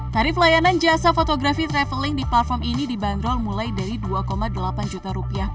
tarif layanan jasa fotografi traveling di platform ini dibanderol mulai dari rp dua delapan juta